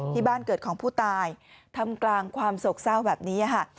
ที่บ้านเกิดของผู้ตายทำกลางความโศกเศร้าแบบนี้ค่ะ